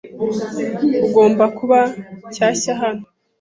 Ugomba kuba shyashya hano.